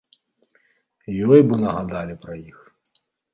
Ёй бы нагадалі пра іх!